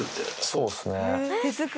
そうですね。